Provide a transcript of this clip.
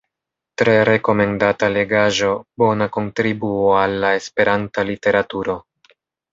Tre rekomendata legaĵo, bona kontribuo al la Esperanta literaturo.